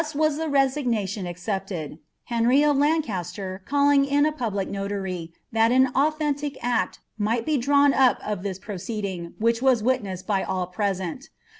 35 Tlitu was ihe resignation mcceptetl ; Henry o[ LancaBter calling in & public notary, thai an authentic act mighl be drawn uji of this procoed isg. which was wiinesseil by all present.